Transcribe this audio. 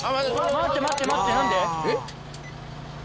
待って待って待って！